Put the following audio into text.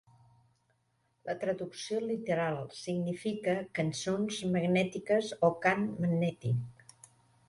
La traducció literal significa "cançons magnètiques" o "cant magnètic".